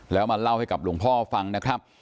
แล้วมาเล่าให้กับหลวงพ่อฟังนะครับ